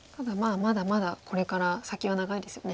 まだまだこれから先は長いですよね。